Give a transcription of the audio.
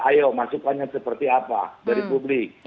ayo masukannya seperti apa dari publik